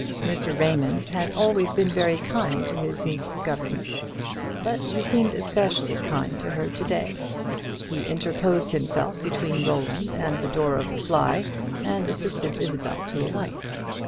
Mr. Raymond had always been very kind to his nieces' governess, but he seemed especially kind to her to day. He interposed himself between Roland and the door of the fly, and assisted Isabel to alight.